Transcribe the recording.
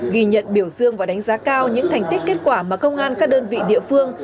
ghi nhận biểu dương và đánh giá cao những thành tích kết quả mà công an các đơn vị địa phương